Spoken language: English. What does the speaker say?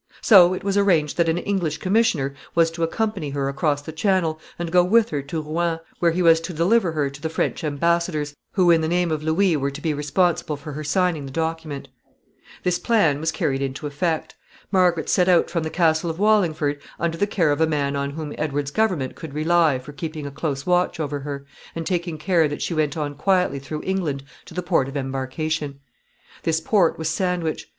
So it was arranged that an English commissioner was to accompany her across the Channel, and go with her to Rouen, where he was to deliver her to the French embassadors, who, in the name of Louis, were to be responsible for her signing the document. [Sidenote: 1476.] [Sidenote: The commissioner.] [Sidenote: Margaret crosses the Channel.] This plan was carried into effect. Margaret set out from the castle of Wallingford under the care of a man on whom Edward's government could rely for keeping a close watch over her, and taking care that she went on quietly through England to the port of embarkation. This port was Sandwich.